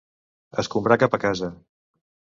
Escombrar cap a casa.